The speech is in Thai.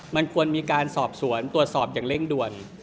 มันควรมีการสอบสวนตรวจสอบอย่างเร่งด่วน